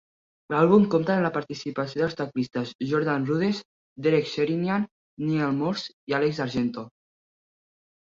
L'àlbum compta amb la participació dels teclistes Jordan Rudess, Derek Sherinian, Neal Morse i Alex Argento.